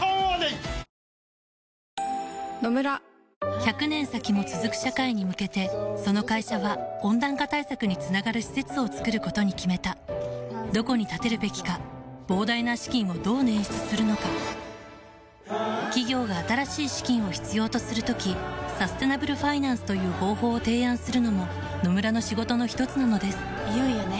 １００年先も続く社会に向けてその会社は温暖化対策につながる施設を作ることに決めたどこに建てるべきか膨大な資金をどう捻出するのか企業が新しい資金を必要とする時サステナブルファイナンスという方法を提案するのも野村の仕事のひとつなのですいよいよね。